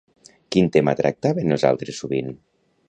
Quin tema tractaven els altres sovint?